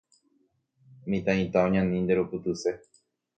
Mitãita oñani nderupytyse